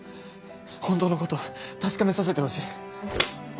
本当のこと確かめさせてほしい。